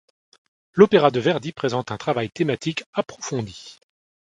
L'opéra de Verdi présente un travail thématique approfondi.